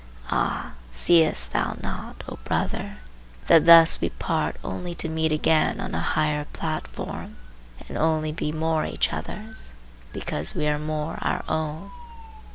Ah! seest thou not, O brother, that thus we part only to meet again on a higher platform, and only be more each other's because we are more our own?